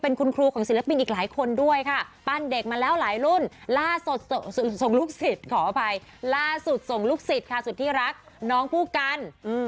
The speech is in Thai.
นี่หรอคนนี้ใช่มั้ย